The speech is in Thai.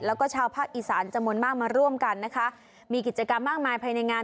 แล้วก็ชาวภาคอีสานจำนวนมากมาร่วมกันนะคะมีกิจกรรมมากมายภายในงาน